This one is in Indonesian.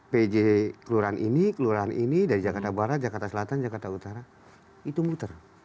pj kelurahan ini kelurahan ini dari jakarta barat jakarta selatan jakarta utara itu muter